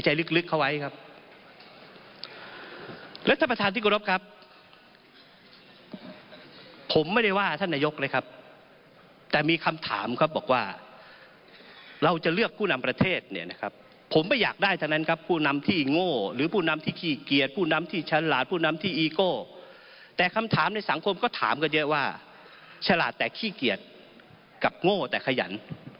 ฉลาดแต่ขี้เกียจกับโง่แต่ขยัน